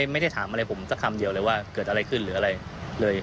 ไม่ได้ถามอะไรผมสักคำเดียวเลยว่าเกิดอะไรขึ้นหรืออะไรเลย